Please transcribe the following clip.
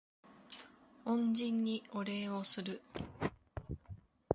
恩人にお礼をする